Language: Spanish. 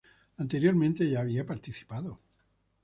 Anteriormente ya había participado.